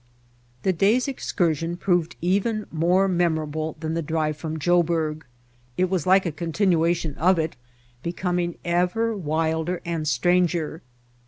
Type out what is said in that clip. That day's excursion proved even more memorable than the drive from Joburg. It was like a continuation of it, becoming ever wilder White Heart of Mojave and stranger.